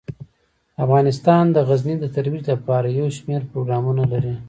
افغانستان د غزني د ترویج لپاره یو شمیر پروګرامونه لري.